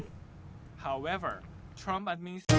nhưng trump đã